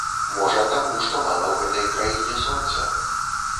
Можа таму, што мала ў гэтай краіне сонца.